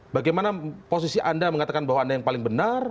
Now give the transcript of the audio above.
bagaimana posisi anda mengatakan bahwa anda yang paling benar